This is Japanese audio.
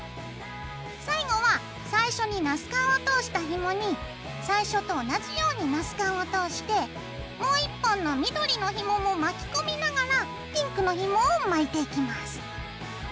最後は最初にナスカンを通したひもに最初と同じようにナスカンを通してもう１本の緑のひもも巻き込みながらピンクのひもを巻いていきます。